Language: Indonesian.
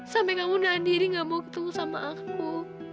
sampai kamu nahan diri gak mau ketemu sama aku